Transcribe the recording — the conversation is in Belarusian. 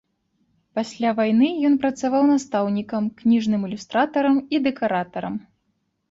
Пасля вайны ён працаваў настаўнікам, кніжным ілюстратарам і дэкаратарам.